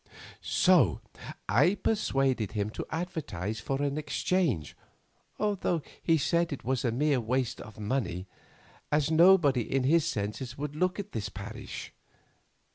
"So I persuaded him to advertise for an exchange, although he said it was a mere waste of money, as nobody in his senses would look at this parish.